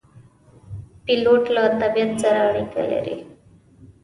پیلوټ له طبیعت سره اړیکه لري.